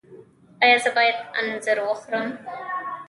ایا زه باید انځر وخورم؟